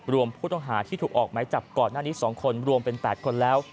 รวมผู้ต้องหาที่ถูกออกไม้จับก่อนหน้านี้๒คนรวมเป็น๘คนแล้ว